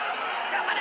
頑張れ！